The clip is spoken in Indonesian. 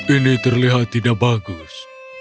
ini terlihat tidak bagus